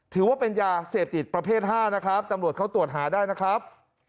ถือว่าเป็นยาเสพติดประเภท๕นะครับตำรวจเขาตรวจหาได้นะครับ